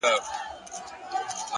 هوډ د شک غږ خاموشوي،